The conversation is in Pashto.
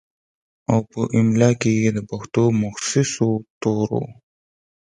او پۀ املا کښې ئې دَپښتو دَمخصوصو تورو